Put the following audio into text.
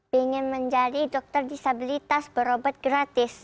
ingin menjadi dokter disabilitas berobat gratis